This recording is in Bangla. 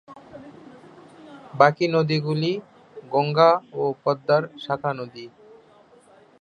বাকি নদীগুলি গঙ্গা ও পদ্মার শাখা নদী।